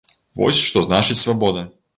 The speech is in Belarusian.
Вось, што значыць свабода.